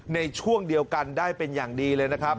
ในช่วงเดียวกันได้เป็นอย่างดีเลยนะครับ